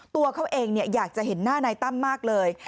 ตัวเขาเองอยากจะเห็นหน้านายตั้มมากเลย